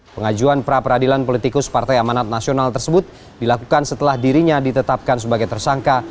pengajuan pra peradilan politikus partai amanat nasional tersebut dilakukan setelah dirinya ditetapkan sebagai tersangka